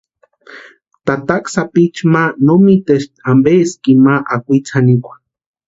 Tataka Sapichu ma no mitespti ampeski ima akwitsi janikwa.